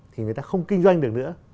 thì người ta không kinh doanh được nữa